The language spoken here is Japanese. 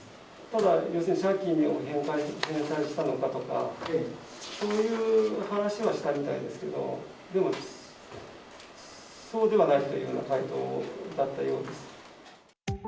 ただ、借金を返済したのかとか、そういう話はしたみたいですけど、でも、そうではないというような回答だったようです。